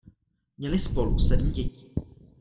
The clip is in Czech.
Měli spolu sedm dětí.